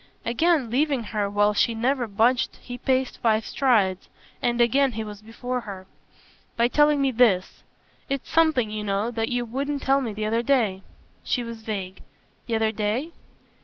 Again leaving her while she never budged he paced five strides, and again he was before her. "By telling me THIS. It's something, you know, that you wouldn't tell me the other day." She was vague. "The other day?"